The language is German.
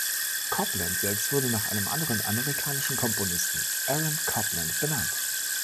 Copland selbst wurde nach einem anderen amerikanischen Komponisten, Aaron Copland, benannt.